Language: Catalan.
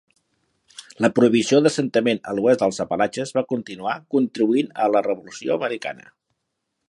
La prohibició d'assentament a l'oest dels Apalatxes va continuar, contribuint a la Revolució Americana.